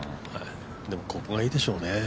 でも、ここがいいでしょうね。